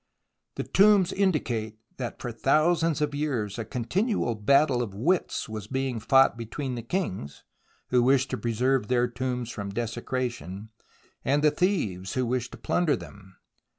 The tombs indicate that for thousands of years a continual battle of wits was being. fought between the kings, who wished to preserve their tombs from desecration, and the thieves who wished to plunder them.